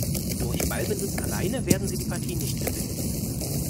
Durch Ballbesitz alleine werden sie die Partie nicht gewinnen.